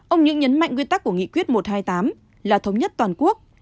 ông nhưỡng nhấn mạnh quy tắc của nghị quyết một trăm hai mươi tám là thống nhất toàn quốc